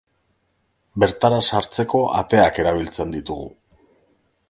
Bertara sartzeko ateak erabiltzen ditugu.